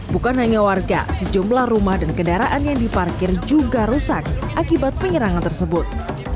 bukan hanya warga sejumlah rumah dan kendaraan yang diparkir juga rusak akibat penyerangan tersebut